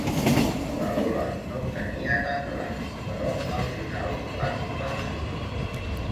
La Lola no ho tenia tan clar, però al final l'ha convençut.